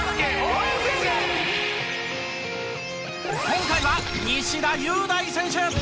今回は西田優大選手。